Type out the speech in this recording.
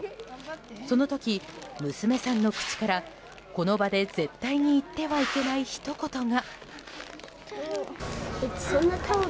その時、娘さんの口からこの場で絶対に言ってはいけないひと言が。